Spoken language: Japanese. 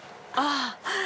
あぁ。